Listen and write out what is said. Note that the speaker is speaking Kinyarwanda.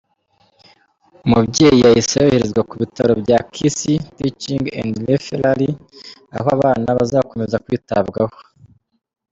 Umubyeyi yahise yoherezwa ku bitaro bya “Kisii Teaching and Referal”, aho abana bazakomeza kwitabwaho.